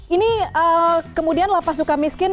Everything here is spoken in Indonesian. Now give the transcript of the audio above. ini kemudian lapas suka miskin